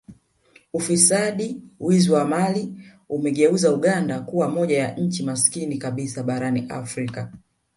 Ufisadi wizi wa mali umegeuza Uganda kuwa moja ya nchi masikini kabisa barani Afrika